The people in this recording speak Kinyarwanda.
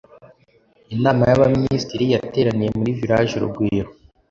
inama y'abaminisitiri yateraniye muri village urugwiro